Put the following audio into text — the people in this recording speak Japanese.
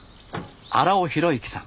荒尾浩之さん。